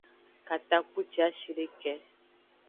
Katakpuciashideke.